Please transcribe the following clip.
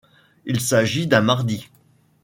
Il s’agit d’un mardi.